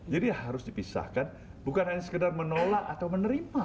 jadi harus dipisahkan bukan hanya sekedar menolak atau menerima